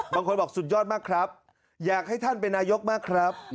บางคนบอกสุดยอดมากครับอยากให้ท่านเป็นนายกมากครับ